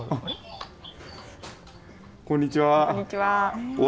こんにちは。